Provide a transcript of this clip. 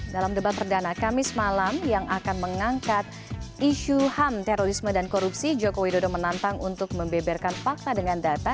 dalam debat perdana kamis malam yang akan mengangkat isu ham terorisme dan korupsi jokowi dodo menantang untuk membeberkan fakta dengan data